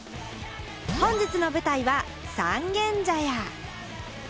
本日の舞台は三軒茶屋。